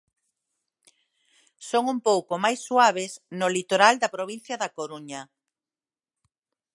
Son un pouco máis suaves no litoral da provincia da Coruña.